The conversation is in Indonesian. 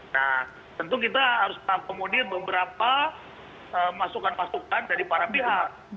nah tentu kita harus mengakomodir beberapa masukan masukan dari para pihak